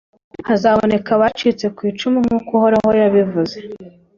hazaboneka abacitse ku icumu, nk’uko Uhoraho yabivuze,